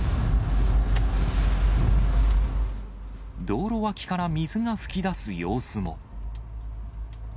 道路脇から水が噴き出す様子も。